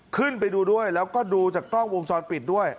ขึ้นไปดูด้วยแล้วก็ดูจากกล้องวงจรปิดด้วย